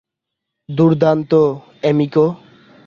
দুর্দান্ত, এমিকো!